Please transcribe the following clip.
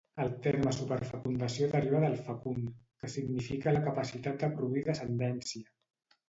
El terme superfecundació deriva del fecund, que significa la capacitat de produir descendència.